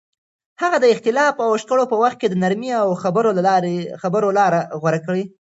هغه د اختلاف او شخړو په وخت د نرمۍ او خبرو لار غوره کړه.